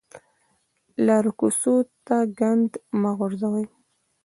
لارو کوڅو ته ګند مه غورځوئ